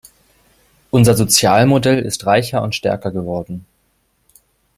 Unser Sozialmodell ist reicher und stärker geworden.